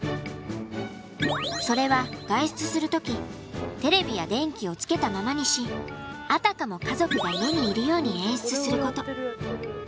それは外出する時テレビや電気をつけたままにしあたかも家族が家にいるように演出すること。